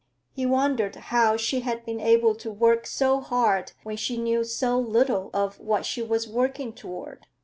He wondered how she had been able to work so hard when she knew so little of what she was working toward.